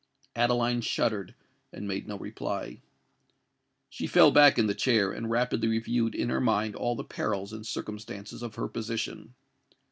Adeline shuddered, and made no reply. She fell back in the chair, and rapidly reviewed in her mind all the perils and circumstances of her position.